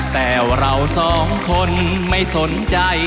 แต่เราสองคนไม่สนใจ